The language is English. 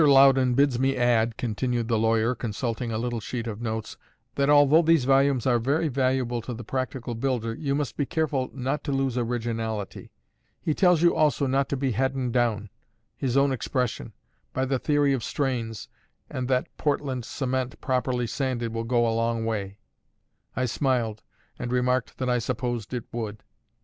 Loudon bids me add," continued the lawyer, consulting a little sheet of notes, "that although these volumes are very valuable to the practical builder, you must be careful not to lose originality. He tells you also not to be 'hadden doun' his own expression by the theory of strains, and that Portland cement, properly sanded, will go a long way." I smiled, and remarked that I supposed it would.